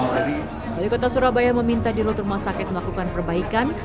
dari kota surabaya meminta di ru mess itu meakukan perbaikan